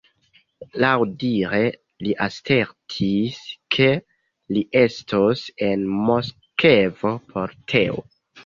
Laŭdire, li asertis, ke li estos en Moskvo por teo.